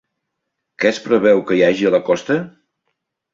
Què es preveu que hi hagi a la costa?